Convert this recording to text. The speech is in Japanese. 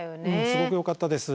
すごくよかったです。